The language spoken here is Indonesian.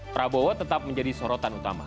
prabowo tetap menjadi sorotan utama